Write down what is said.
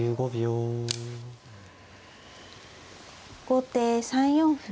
後手３四歩。